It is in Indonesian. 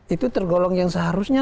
itu tergolong yang seharusnya